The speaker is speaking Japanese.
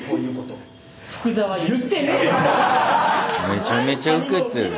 めちゃめちゃウケてる。